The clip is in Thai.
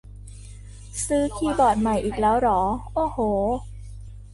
ซื้อคีย์บอร์ดใหม่อีกแล้วเหรอ โอ้โห